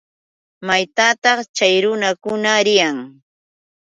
¿Maytataq chay runakuna riyan?